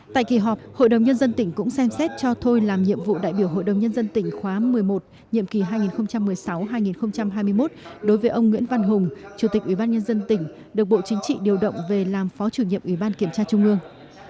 tại kỳ họp hội đồng nhân dân tỉnh cũng xem xét cho thôi làm nhiệm vụ đại biểu hội đồng nhân dân tỉnh khóa một mươi một nhiệm kỳ hai nghìn một mươi sáu hai nghìn hai mươi một đối với ông nguyễn văn hùng chủ tịch ủy ban nhân dân tỉnh được bộ chính trị điều động về làm phó chủ nhiệm ủy ban kiểm tra trung ương